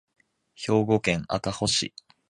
兵庫県赤穂市